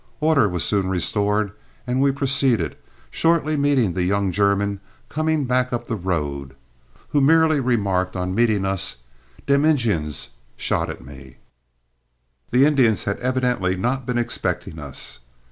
Order was soon restored, when we proceeded, and shortly met the young German coming back up the road, who merely remarked on meeting us, "Dem Injuns shot at me." The Indians had evidently not been expecting us.